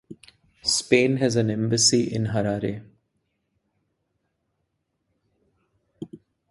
Spain has an embassy in Harare.